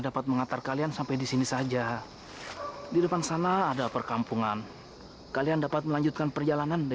sampai jumpa di video selanjutnya